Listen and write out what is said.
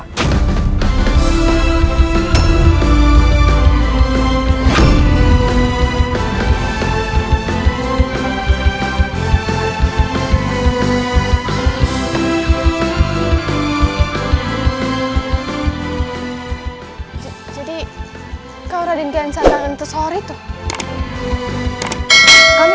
tapi dia waktu saja